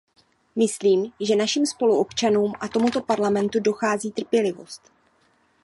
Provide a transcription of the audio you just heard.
Myslím, že našim spoluobčanům a tomuto Parlamentu dochází trpělivost.